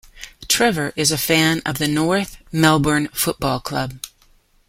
Trevor is a fan of the North Melbourne Football Club.